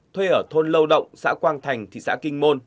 thuê ở thôn lâu động xã quang thành thị xã kinh môn